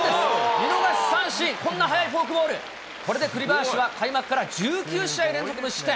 見逃し三振、こんな速いフォークボール、これで栗林は開幕から１９試合連続無失点。